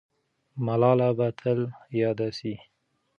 ملاله به تل یاده سي.